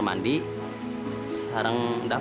masih hanyum aja ya